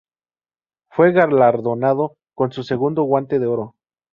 Fue galardonado con su segundo Guante de Oro.